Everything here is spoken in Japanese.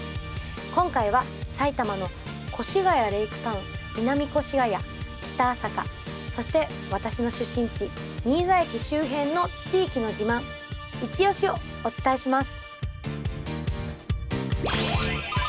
今回は埼玉の越谷レイクタウン、南越谷北朝霞そして私の出身地、新座駅周辺の地域の自慢、いちオシ！をお伝えします。